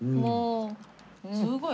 すごい。